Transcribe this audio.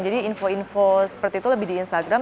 jadi info info seperti itu lebih di instagram